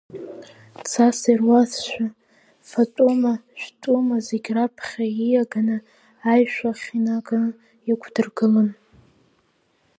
Цас ируазшәа, фатәума жәтәума зегьы раԥхьа ииаганы, аишәахь инаганы иқәдыргылон.